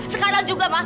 sekarang juga ma